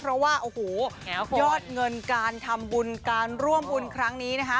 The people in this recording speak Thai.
เพราะว่าโอ้โหยอดเงินการทำบุญการร่วมบุญครั้งนี้นะคะ